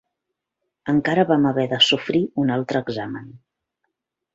Encara vam haver de sofrir un altre examen.